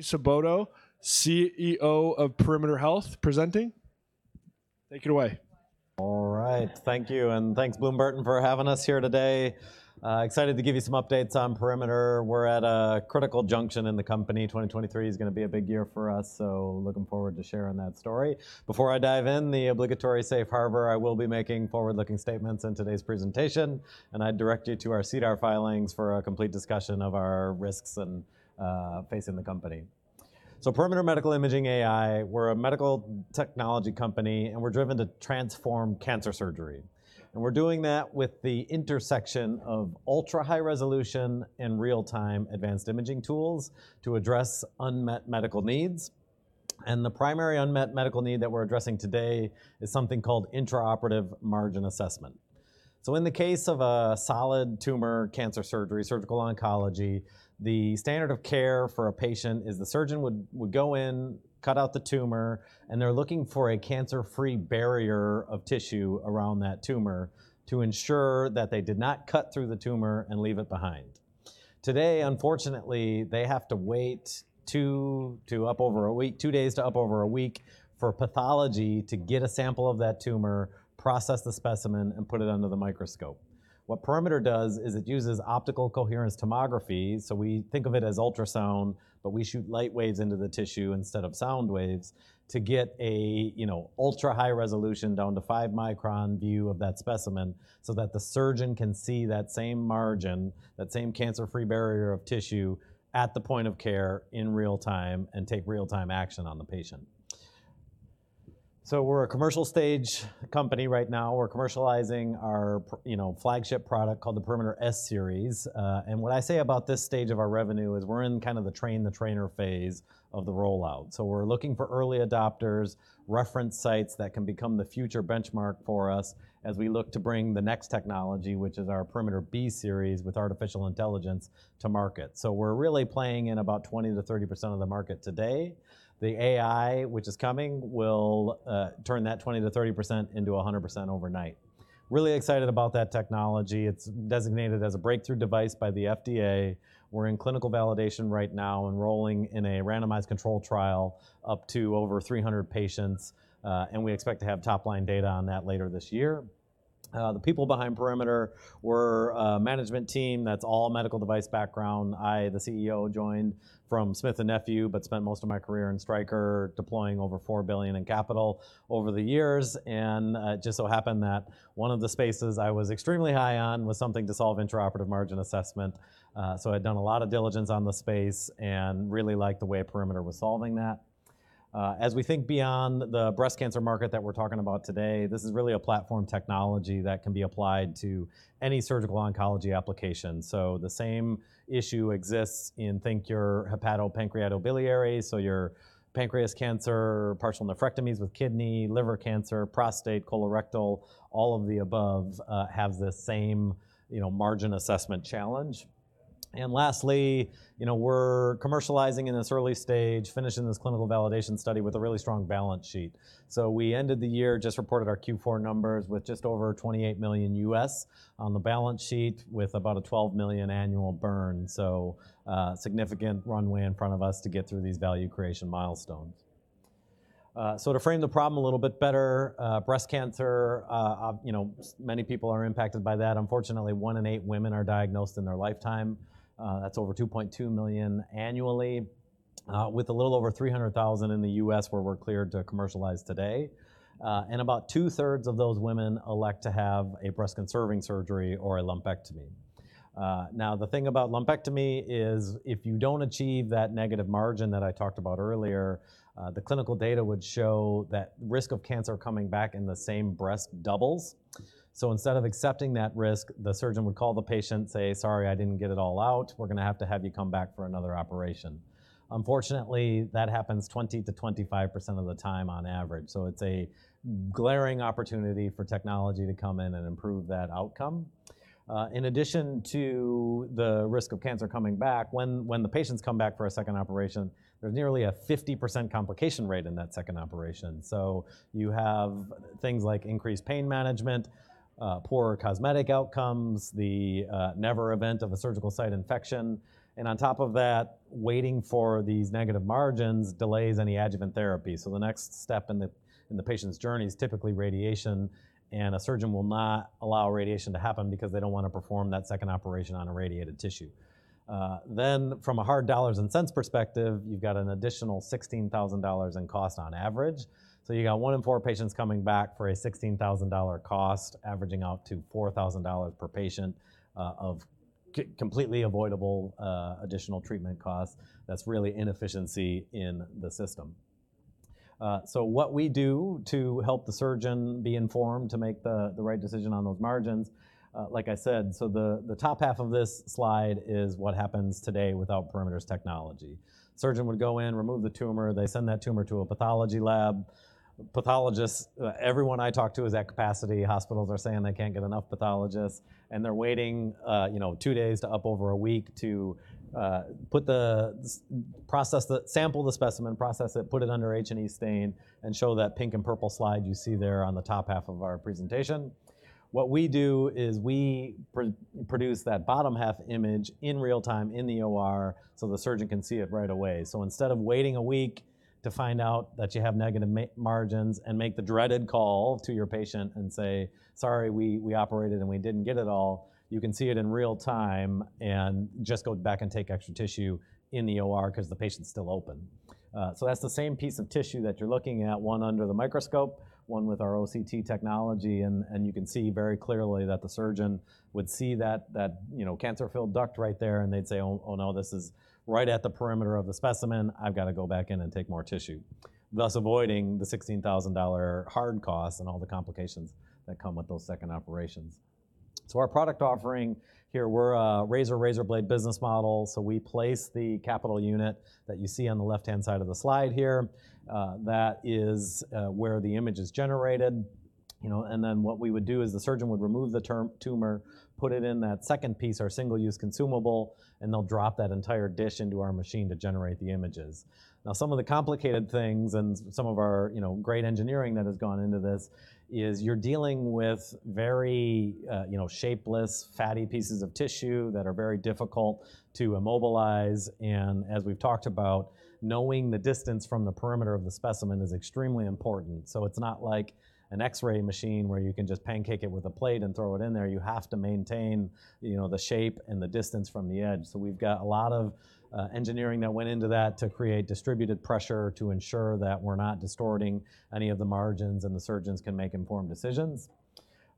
Sobotta, CEO of Perimeter Medical Imaging AI presenting. Take it away. All right. Thank you. Thanks, Bloom Burton & Co., for having us here today. Excited to give you some updates on Perimeter. We're at a critical junction in the company. 2023 is gonna be a big year for us, so looking forward to sharing that story. Before I dive in, the obligatory safe harbor, I will be making forward-looking statements in today's presentation, and I direct you to our CDR filings for a complete discussion of our risks and facing the company. Perimeter Medical Imaging AI, we're a medical technology company, and we're driven to transform cancer surgery. We're doing that with the intersection of ultra-high resolution and real-time advanced imaging tools to address unmet medical needs. The primary unmet medical need that we're addressing today is something called intraoperative margin assessment. In the case of a solid tumor cancer surgery, surgical oncology, the standard of care for a patient is the surgeon would go in, cut out the tumor, and they're looking for a cancer-free barrier of tissue around that tumor to ensure that they did not cut through the tumor and leave it behind. Today, unfortunately, they have to wait two to up over a week, two days to up over a week for pathology to get a sample of that tumor, process the specimen, and put it under the microscope. What Perimeter does is it uses optical coherence tomography. We think of it as ultrasound, but we shoot light waves into the tissue instead of sound waves to get a, you know, ultra-high resolution down to 5 micron view of that specimen so that the surgeon can see that same margin, that same cancer-free barrier of tissue at the point of care in real time and take real-time action on the patient. We're a commercial stage company right now. We're commercializing our you know, flagship product called the Perimeter S-Series. What I say about this stage of our revenue is we're in kind of the train the trainer phase of the rollout. We're looking for early adopters, reference sites that can become the future benchmark for us as we look to bring the next technology, which is our Perimeter B-Series with artificial intelligence, to market. We're really playing in about 20%-30% of the market today. The AI, which is coming, will turn that 20%-30% into 100% overnight. Really excited about that technology. It's designated as a Breakthrough Device by the FDA. We're in clinical validation right now, enrolling in a randomized controlled trial up to over 300 patients, and we expect to have top-line data on that later this year. The people behind Perimeter, we're a management team that's all medical device background. I, the CEO, joined from Smith & Nephew, but spent most of my career in Stryker deploying over $4 billion in capital over the years. It just so happened that one of the spaces I was extremely high on was something to solve intraoperative margin assessment. I'd done a lot of diligence on the space and really liked the way Perimeter was solving that. We think beyond the breast cancer market that we're talking about today, this is really a platform technology that can be applied to any surgical oncology application. The same issue exists in, think, your hepatopancreatobiliary, so your pancreas cancer, partial nephrectomies with kidney, liver cancer, prostate, colorectal, all of the above, have the same, you know, margin assessment challenge. Lastly, you know, we're commercializing in this early stage, finishing this clinical validation study with a really strong balance sheet. We ended the year, just reported our Q4 numbers with just over $28 million on the balance sheet with about a $12 million annual burn. Significant runway in front of us to get through these value creation milestones. To frame the problem a little bit better, breast cancer, you know, many people are impacted by that. Unfortunately, one in eight women are diagnosed in their lifetime. That's over 2.2 million annually, with a little over 300,000 in the US where we're cleared to commercialize today. And about two-thirds of those women elect to have a breast-conserving surgery or a lumpectomy. Now the thing about lumpectomy is if you don't achieve that negative margin that I talked about earlier, the clinical data would show that risk of cancer coming back in the same breast doubles. Instead of accepting that risk, the surgeon would call the patient, say, "Sorry, I didn't get it all out. We're gonna have to have you come back for another operation." Unfortunately, that happens 20-25% of the time on average. It's a glaring opportunity for technology to come in and improve that outcome. In addition to the risk of cancer coming back, when the patients come back for a second operation, there's nearly a 50% complication rate in that second operation. You have things like increased pain management, poorer cosmetic outcomes, the never event of a surgical site infection, and on top of that, waiting for these negative margins delays any adjuvant therapy. The next step in the patient's journey is typically radiation, and a surgeon will not allow radiation to happen because they don't want to perform that second operation on a radiated tissue. From a hard dollars and cents perspective, you've got an additional $16,000 in cost on average. You got one in four patients coming back for a $16,000 cost, averaging out to $4,000 per patient, of completely avoidable additional treatment costs. That's really inefficiency in the system. What we do to help the surgeon be informed to make the right decision on those margins, like I said, the top half of this slide is what happens today without Perimeter's technology. Surgeon would go in, remove the tumor, they send that tumor to a pathology lab. Pathologist, everyone I talk to is at capacity. Hospitals are saying they can't get enough pathologists, and they're waiting, you know, two days to up over a week to sample the specimen, process it, put it under H&E stain, and show that pink and purple slide you see there on the top half of our presentation. What we do is we produce that bottom half image in real time in the OR, so the surgeon can see it right away. Instead of waiting a week to find out that you have negative margins and make the dreaded call to your patient and say, "Sorry, we operated and we didn't get it all," you can see it in real time and just go back and take extra tissue in the OR 'cause the patient's still open. That's the same piece of tissue that you're looking at, one under the microscope, one with our OCT technology, and you can see very clearly that the surgeon would see that, you know, cancer-filled duct right there, and they'd say, "Oh, oh no, this is right at the perimeter of the specimen. I've gotta go back in and take more tissue," thus avoiding the $16,000 hard cost and all the complications that come with those second operations. Our product offering here, we're a razor blade business model, so we place the capital unit that you see on the left-hand side of the slide here. That is where the image is generated, you know, and then what we would do is the surgeon would remove the tumor, put it in that second piece, our single-use consumable, and they'll drop that entire dish into our machine to generate the images. Some of the complicated things and some of our, you know, great engineering that has gone into this is you're dealing with very, you know, shapeless, fatty pieces of tissue that are very difficult to immobilize and, as we've talked about, knowing the distance from the perimeter of the specimen is extremely important. It's not like an X-ray machine where you can just pancake it with a plate and throw it in there. You have to maintain, you know, the shape and the distance from the edge. We've got a lot of engineering that went into that to create distributed pressure to ensure that we're not distorting any of the margins and the surgeons can make informed decisions.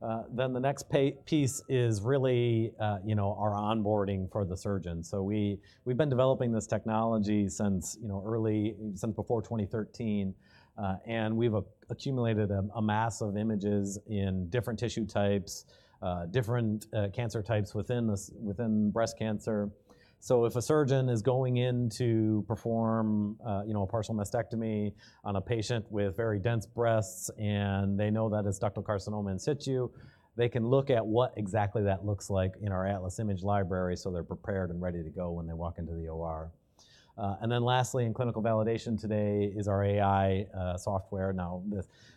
The next piece is really, you know, our onboarding for the surgeon. We've been developing this technology since, you know, since before 2013, and we've accumulated a mass of images in different tissue types, different cancer types within this, within breast cancer. If a surgeon is going in to perform, you know, a partial mastectomy on a patient with very dense breasts and they know that it's ductal carcinoma in situ, they can look at what exactly that looks like in our Atlas image library, so they're prepared and ready to go when they walk into the OR. Lastly, in clinical validation today is our AI software.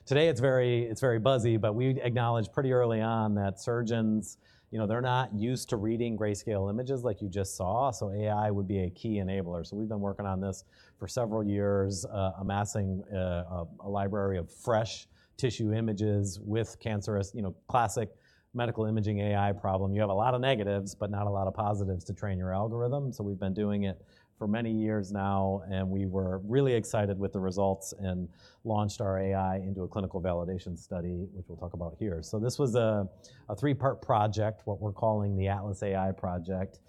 Today it's very buzzy, we acknowledged pretty early on that surgeons, you know, they're not used to reading grayscale images like you just saw. AI would be a key enabler. We've been working on this for several years, amassing a library of fresh tissue images with cancerous. You know, classic medical imaging AI problem. You have a lot of negatives, but not a lot of positives to train your algorithm. We've been doing it for many years now, and we were really excited with the results and launched our AI into a clinical validation study, which we'll talk about here. This was a three-part project, what we're calling the ATLAS AI Project,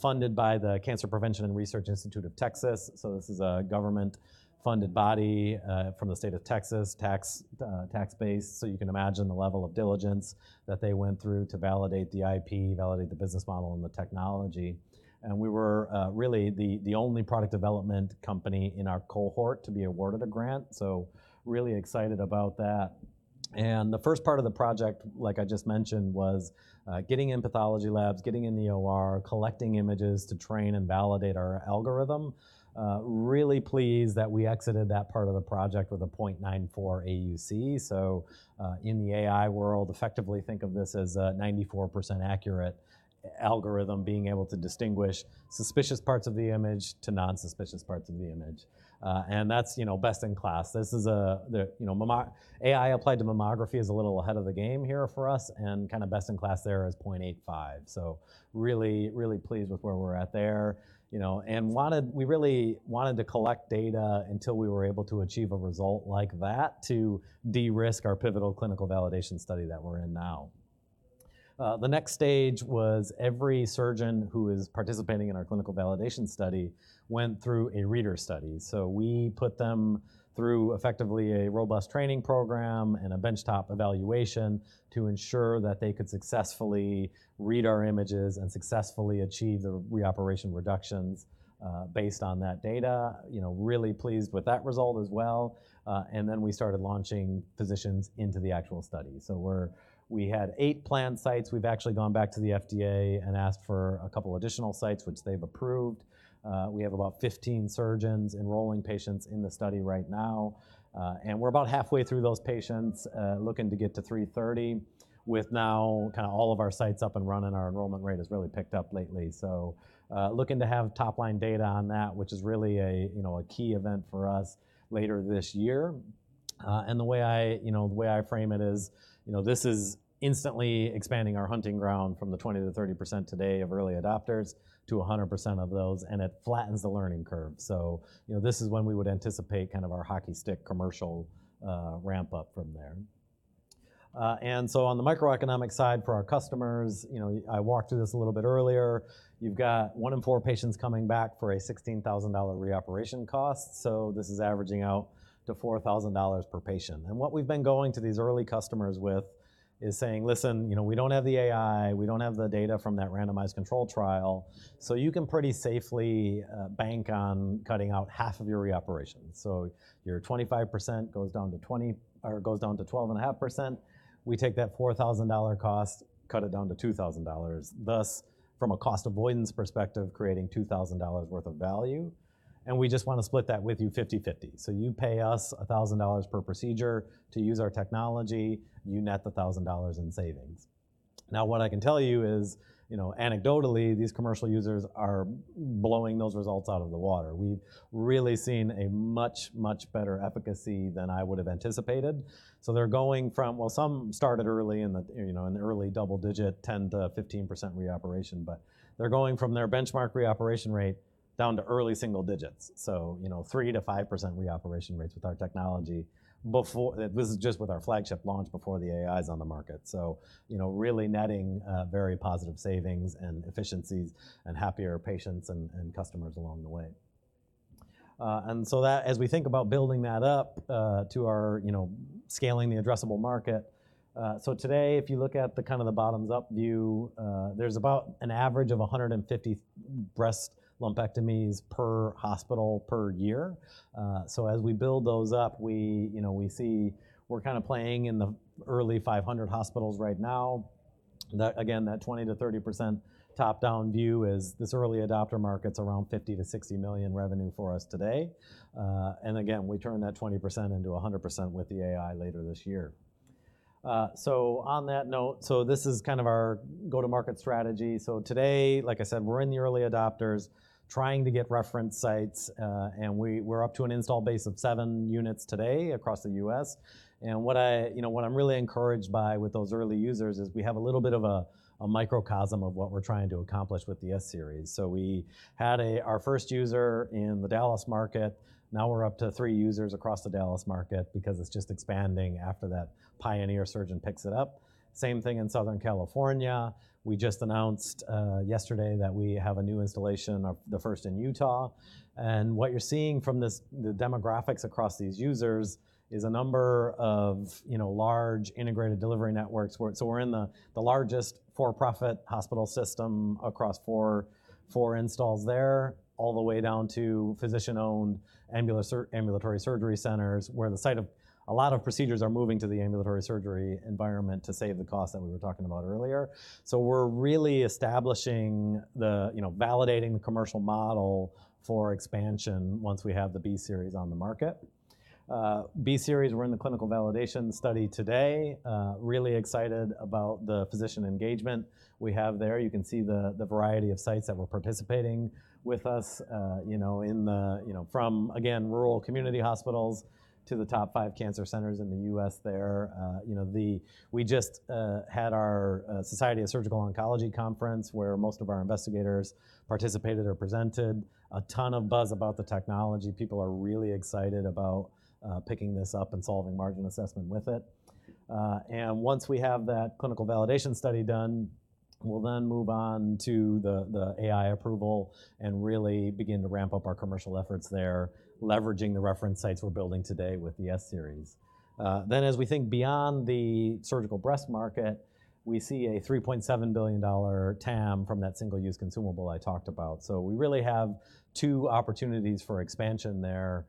funded by the Cancer Prevention and Research Institute of Texas. This is a government-funded body from the state of Texas, tax-based, so you can imagine the level of diligence that they went through to validate the IP, validate the business model and the technology. We were really the only product development company in our cohort to be awarded a grant, so really excited about that. The first part of the project, like I just mentioned, was getting in pathology labs, getting in the OR, collecting images to train and validate our algorithm. Really pleased that we exited that part of the project with a 0.94 AUC. In the AI world, effectively think of this as a 94% accurate algorithm being able to distinguish suspicious parts of the image to non-suspicious parts of the image. That's, you know, best in class. This is, you know, AI applied to mammography is a little ahead of the game here for us, and kinda best in class there is 0.85 AUC. Really, really pleased with where we're at there, you know, we really wanted to collect data until we were able to achieve a result like that to de-risk our pivotal clinical validation study that we're in now. The next stage was every surgeon who is participating in our clinical validation study went through a reader study. We put them through, effectively, a robust training program and a bench-top evaluation to ensure that they could successfully read our images and successfully achieve the reoperation reductions, based on that data. You know, really pleased with that result as well. We started launching physicians into the actual study. We had eight planned sites. We've actually gone back to the FDA and asked for a couple additional sites, which they've approved. We have about 15 surgeons enrolling patients in the study right now, and we're about halfway through those patients, looking to get to 330. With now kinda all of our sites up and running, our enrollment rate has really picked up lately. Looking to have top-line data on that, which is really a, you know, a key event for us later this year. The way I, you know, the way I frame it is, you know, this is instantly expanding our hunting ground from the 20%-30% today of early adopters to 100% of those, and it flattens the learning curve. You know, this is when we would anticipate kind of our hockey stick commercial ramp-up from there. On the microeconomic side for our customers, you know, I walked through this a little bit earlier. You've got one in four patients coming back for a $16,000 reoperation cost. This is averaging out to $4,000 per patient. What we've been going to these early customers with is saying, listen, you know, we don't have the AI. We don't have the data from that randomized controlled trial. You can pretty safely bank on cutting out half of your reoperation. Your 25% goes down to 20% or goes down to 12.5%. We take that $4,000 cost, cut it down to $2,000. Thus, from a cost avoidance perspective, creating $2,000 worth of value. We just want to split that with you 50/50. You pay us $1,000 per procedure to use our technology. You net the $1,000 in savings. What I can tell you is, you know, anecdotally, these commercial users are blowing those results out of the water. We've really seen a much, much better efficacy than I would have anticipated. They're going from Well, some started early in the, you know, in the early double digit, 10%-15% reoperation. They're going from their benchmark reoperation rate down to early single digits. You know, 3%-5% reoperation rates with our technology before This is just with our flagship launch before the AI is on the market. You know, really netting very positive savings and efficiencies and happier patients and customers along the way. As we think about building that up to our, you know, scaling the addressable market. Today, if you look at the kind of the bottoms up view, there's about an average of 150 breast lumpectomies per hospital per year. As we build those up, we, you know, we see we're kind of playing in the early 500 hospitals right now. Again, that 20%-30% top-down view is this early adopter market's around $50 million-$60 million revenue for us today. Again, we turn that 20% into 100% with the AI later this year. On that note, this is kind of our go-to-market strategy. Today, like I said, we're in the early adopters trying to get reference sites, and we're up to an install base of seven units today across the U.S. What I, you know, what I'm really encouraged by with those early users is we have a little bit of a microcosm of what we're trying to accomplish with the S-Series. We had our first user in the Dallas market. Now we're up to three users across the Dallas market because it's just expanding after that pioneer surgeon picks it up. Same thing in Southern California. We just announced yesterday that we have a new installation of the first in Utah. What you're seeing from this, the demographics across these users is a number of, you know, large integrated delivery networks. We're in the largest for-profit hospital system across four installs there, all the way down to physician-owned ambulatory surgery centers, where the site of a lot of procedures are moving to the ambulatory surgery environment to save the cost that we were talking about earlier. We're really establishing the, you know, validating the commercial model for expansion once we have the B-Series on the market. B-Series, we're in the clinical validation study today. Really excited about the physician engagement we have there. You can see the variety of sites that were participating with us, you know, in the, you know, from, again, rural community hospitals to the top five cancer centers in the U.S. there. you know, we just had our Society of Surgical Oncology conference where most of our investigators participated or presented. A ton of buzz about the technology. People are really excited about picking this up and solving margin assessment with it. Once we have that clinical validation study done, we'll then move on to the AI approval and really begin to ramp up our commercial efforts there, leveraging the reference sites we're building today with the S-Series. As we think beyond the surgical breast market, we see a $3.7 billion TAM from that single-use consumable I talked about. We really have two opportunities for expansion there.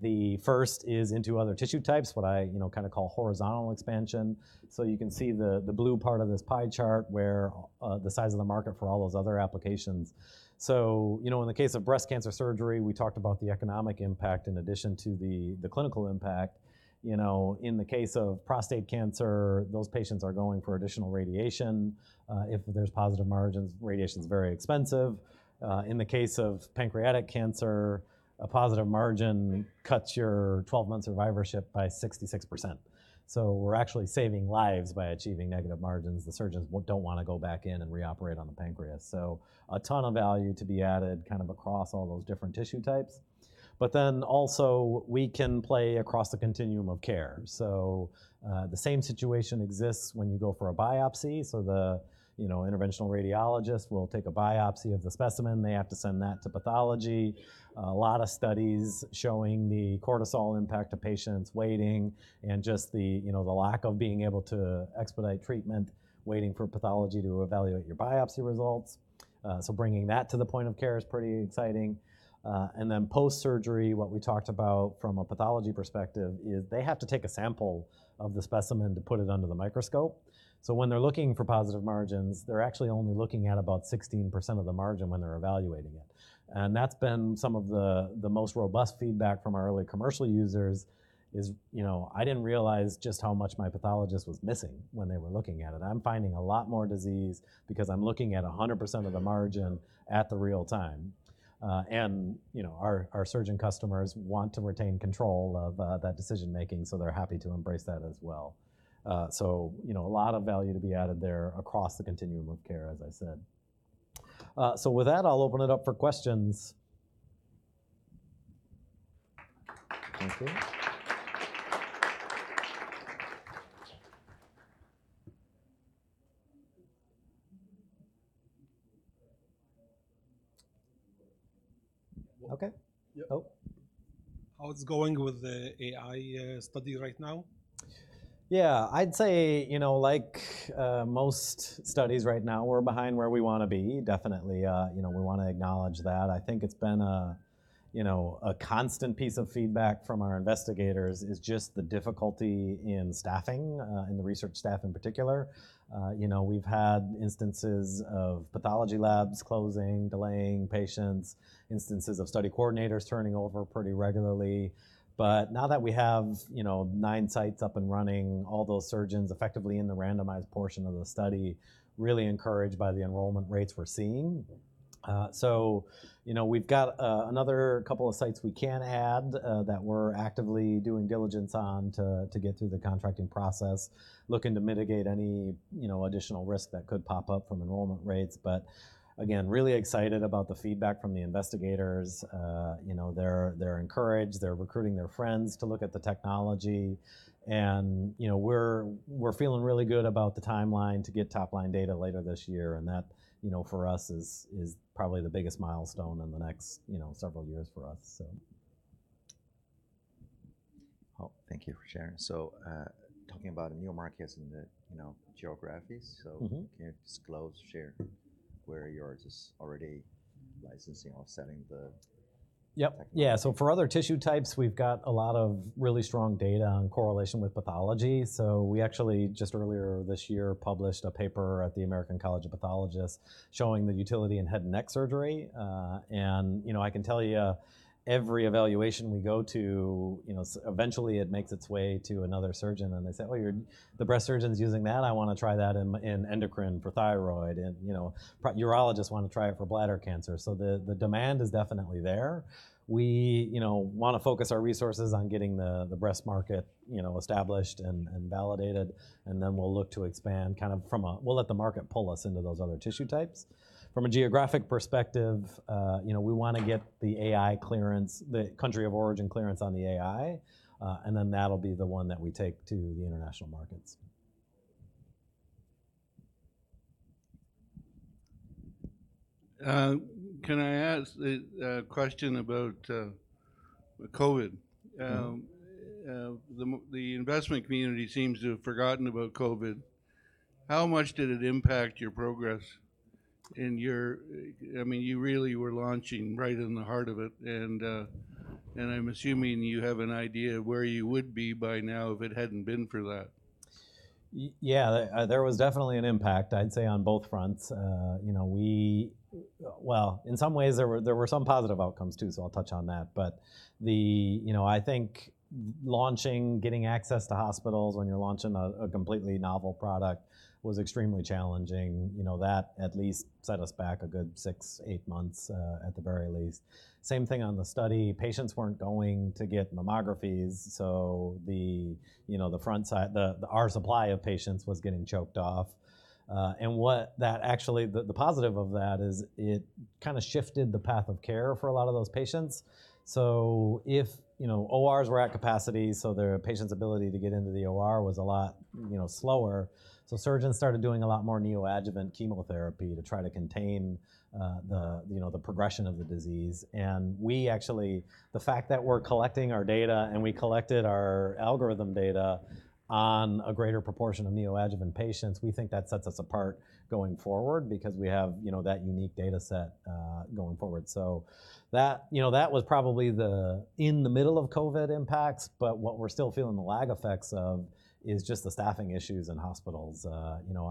The first is into other tissue types, what I, you know, kinda call horizontal expansion. You can see the blue part of this pie chart where the size of the market for all those other applications. You know, in the case of breast cancer surgery, we talked about the economic impact in addition to the clinical impact. You know, in the case of prostate cancer, those patients are going for additional radiation. If there's positive margins, radiation's very expensive. In the case of pancreatic cancer, a positive margin cuts your 12-month survivorship by 66%. We're actually saving lives by achieving negative margins. The surgeons don't wanna go back in and reoperate on the pancreas. A ton of value to be added kind of across all those different tissue types. Also, we can play across the continuum of care. The same situation exists when you go for a biopsy. The, you know, interventional radiologist will take a biopsy of the specimen. They have to send that to pathology. A lot of studies showing the cortisol impact of patients waiting and just the, you know, the lack of being able to expedite treatment, waiting for pathology to evaluate your biopsy results. Bringing that to the point of care is pretty exciting. Post-surgery, what we talked about from a pathology perspective is they have to take a sample of the specimen to put it under the microscope. When they're looking for positive margins, they're actually only looking at about 16% of the margin when they're evaluating it. That's been some of the most robust feedback from our early commercial users is, you know, "I didn't realize just how much my pathologist was missing when they were looking at it. I'm finding a lot more disease because I'm looking at 100% of the margin at the real time." you know, our surgeon customers want to retain control of that decision-making, so they're happy to embrace that as well. you know, a lot of value to be added there across the continuum of care, as I said. With that, I'll open it up for questions. Thank you. Okay. Yeah. Oh. How it's going with the AI study right now? Yeah. I'd say, you know, like, most studies right now, we're behind where we wanna be. Definitely, you know, we wanna acknowledge that. I think it's been a, you know, a constant piece of feedback from our investigators, is just the difficulty in staffing, and the research staff in particular. You know, we've had instances of pathology labs closing, delaying patients. Instances of study coordinators turning over pretty regularly. Now that we have, you know, nine sites up and running, all those surgeons effectively in the randomized portion of the study, really encouraged by the enrollment rates we're seeing. You know, we've got another couple of sites we can add that we're actively doing diligence on to get through the contracting process. Looking to mitigate any, you know, additional risk that could pop up from enrollment rates. Again, really excited about the feedback from the investigators. you know, they're encouraged. They're recruiting their friends to look at the technology, you know, we're feeling really good about the timeline to get top-line data later this year. That, you know, for us is probably the biggest milestone in the next, you know, several years for us. Oh, thank you for sharing. Talking about neo markets and the, you know, geographies. Mm-hmm. Can you disclose, share where you're just already licensing or setting the-? Yep... technology? For other tissue types, we've got a lot of really strong data on correlation with pathology. We actually just earlier this year published a paper at the College of American Pathologists showing the utility in head and neck surgery. And you know, I can tell you every evaluation we go to, you know, eventually it makes its way to another surgeon and they say, "Oh, The breast surgeon's using that? I wanna try that in endocrine for thyroid." You know, urologists wanna try it for bladder cancer. The demand is definitely there. We, you know, wanna focus our resources on getting the breast market, you know, established and validated, we'll look to expand. We'll let the market pull us into those other tissue types. From a geographic perspective, you know, we wanna get the AI clearance, the country of origin clearance on the AI, and then that'll be the one that we take to the international markets. Can I ask the question about COVID? Mm-hmm. The investment community seems to have forgotten about COVID. How much did it impact your progress? I mean, you really were launching right in the heart of it, and I'm assuming you have an idea where you would be by now if it hadn't been for that. Yeah. There was definitely an impact, I'd say, on both fronts. You know, well, in some ways, there were some positive outcomes too, so I'll touch on that. You know, I think launching, getting access to hospitals when you're launching a completely novel product was extremely challenging. You know, that at least set us back a good six, eight months at the very least. Same thing on the study. Patients weren't going to get mammographies, so the, you know, the front side. Our supply of patients was getting choked off. What that actually. The positive of that is it kinda shifted the path of care for a lot of those patients. If, you know, ORs were at capacity, so their patient's ability to get into the OR was a lot, you know, slower. Surgeons started doing a lot more neoadjuvant chemotherapy to try to contain, you know, the progression of the disease. The fact that we're collecting our data, and we collected our algorithm data on a greater proportion of neoadjuvant patients, we think that sets us apart going forward because we have, you know, that unique data set going forward. That, you know, that was probably the in the middle of COVID impacts. What we're still feeling the lag effects of is just the staffing issues in hospitals. You know,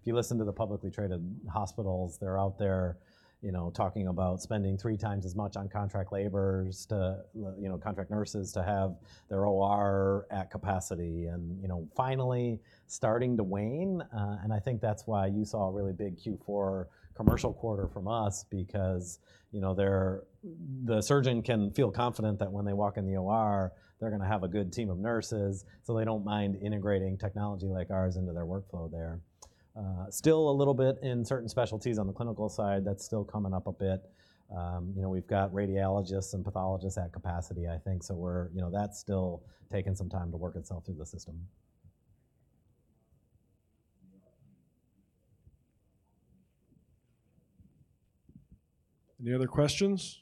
if you listen to the publicly traded hospitals, they're out there, you know, talking about spending three times as much on contract laborers to, you know, contract nurses to have their OR at capacity and, you know, finally starting to wane. I think that's why you saw a really big Q4 commercial quarter from us because, you know, the surgeon can feel confident that when they walk in the OR, they're gonna have a good team of nurses, so they don't mind integrating technology like ours into their workflow there. Still a little bit in certain specialties on the clinical side that's still coming up a bit. You know, we've got radiologists and pathologists at capacity, I think. You know, that's still taking some time to work itself through the system. Any other questions?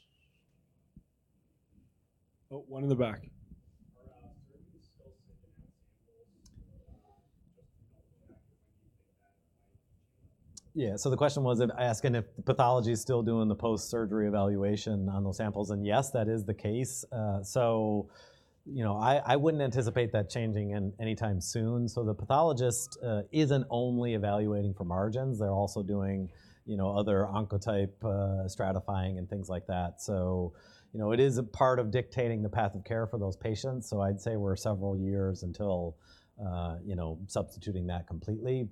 Oh, one in the back. Yeah. The question was asking if pathology is still doing the post-surgery evaluation on those samples. Yes, that is the case. You know, I wouldn't anticipate that changing in anytime soon. The pathologist isn't only evaluating for margins. They're also doing, you know, other Oncotype DX stratifying and things like that. You know, it is a part of dictating the path of care for those patients, so I'd say we're several years until, you know, substituting that completely.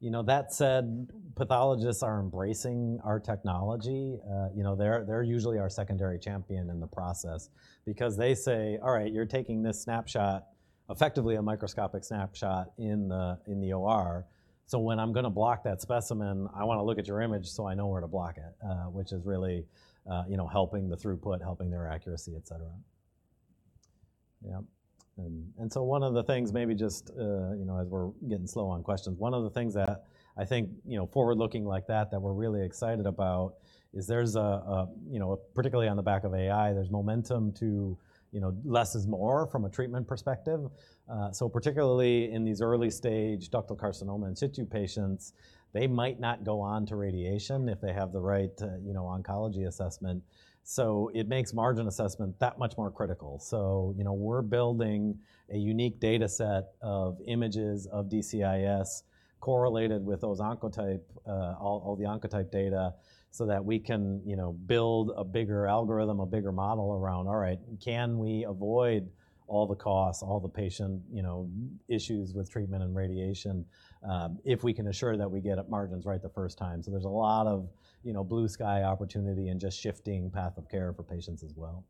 You know, that said, pathologists are embracing our technology. You know, they're usually our secondary champion in the process because they say, "All right, you're taking this snapshot, effectively a microscopic snapshot in the, in the OR. When I'm gonna block that specimen, I wanna look at your image so I know where to block it," which is really, you know, helping the throughput, helping their accuracy, et cetera. Yeah. One of the things maybe just, you know, as we're getting slow on questions, one of the things that I think, you know, forward-looking like that we're really excited about is there's a, you know, particularly on the back of AI, there's momentum to, you know, less is more from a treatment perspective. Particularly in these early-stage ductal carcinoma in situ patients, they might not go on to radiation if they have the right, you know, oncology assessment. It makes margin assessment that much more critical. You know, we're building a unique data set of images of DCIS correlated with those Oncotype, all the Oncotype data, so that we can, you know, build a bigger algorithm, a bigger model around, all right, can we avoid all the costs, all the patient, you know, issues with treatment and radiation, if we can assure that we get our margins right the first time? There's a lot of, you know, blue sky opportunity and just shifting path of care for patients as well.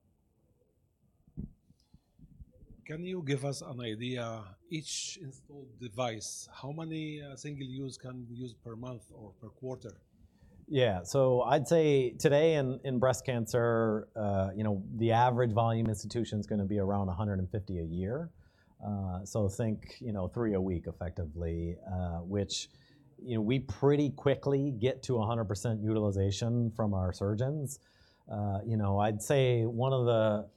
Can you give us an idea, each installed device, how many single-use can be used per month or per quarter? I'd say today in breast cancer, you know, the average volume institution's gonna be around 150 a year. Think, you know, three a week effectively, which, you know, we pretty quickly get to 100% utilization from our surgeons. You know, I'd say one of the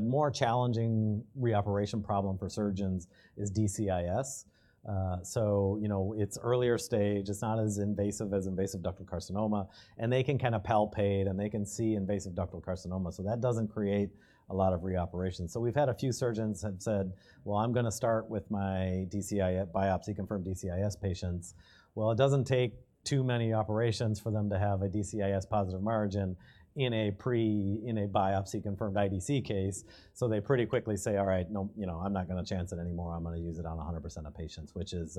more challenging reoperation problem for surgeons is DCIS. You know, it's earlier stage. It's not as invasive as invasive ductal carcinoma, and they can kind of palpate, and they can see invasive ductal carcinoma. That doesn't create a lot of reoperation. We've had a few surgeons that said, "Well, I'm gonna start with my DCIS biopsy, confirmed DCIS patients." It doesn't take too many operations for them to have a DCIS-positive margin in a biopsy-confirmed IDC case, they pretty quickly say, "All right. No, you know, I'm not gonna chance it anymore. I'm gonna use it on 100% of patients," which is,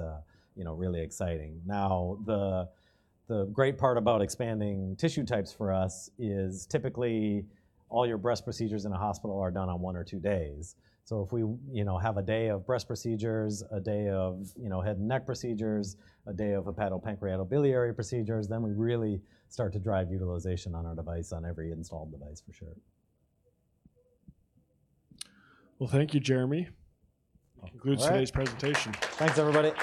you know, really exciting. The great part about expanding tissue types for us is typically all your breast procedures in a hospital are done on one or two days. If we, you know, have a day of breast procedures, a day of, you know, head and neck procedures, a day of hepatopancreaticobiliary procedures, then we really start to drive utilization on our device, on every installed device for sure. Well, thank you, Jeremy. Welcome. Concludes today's presentation. Thanks, everybody.